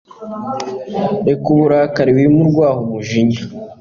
Reka uburakari wime urwaho umujinya